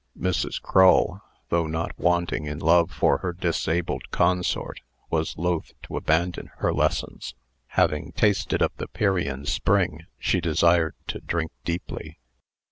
Mrs. Crull, though not wanting in love for her disabled consort, was loth to abandon her lessons. Having tasted of the Pierian spring, she desired to drink deeply.